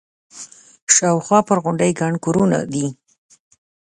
شاوخوا پر غونډۍ ګڼ کورونه دي.